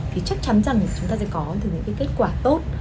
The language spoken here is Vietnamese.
thì chắc chắn rằng chúng ta sẽ có những kết quả tốt